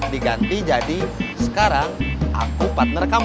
diganti jadi sekarang aku partner kamu